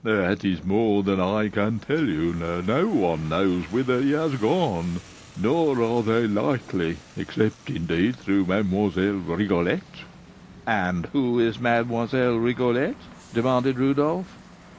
"That is more than I can tell you; no one knows whither he has gone, nor are they likely, except, indeed, through Mlle. Rigolette." "And who is Mlle. Rigolette?" demanded Rodolph.